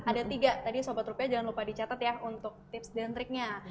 ada tiga tadi sobat rupiah jangan lupa dicatat ya untuk tips dan triknya